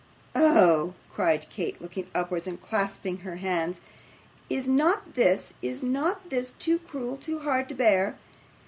'Oh!' cried Kate, looking upwards and clasping her hands; 'is not this, is not this, too cruel, too hard to bear!